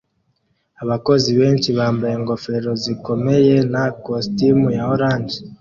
Abakozi benshi bambaye ingofero zikomeye na kositimu ya orange